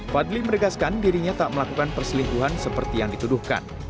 fadli meregaskan dirinya tak melakukan perselingkuhan seperti yang dituduhkan